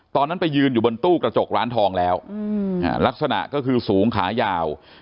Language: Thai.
ตอนนั้นไปยืนอยู่บนตู้กระจกร้านทองแล้วลักษณะก็คือสูงขายาว